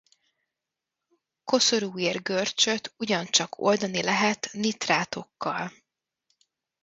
Koszorúér-görcsöt ugyancsak oldani lehet nitrátokkal.